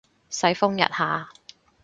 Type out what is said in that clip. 世風日下